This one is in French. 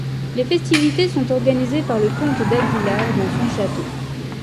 Les festivités sont organisées par le comte d'Águilar dans son château.